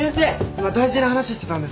今大事な話してたんです。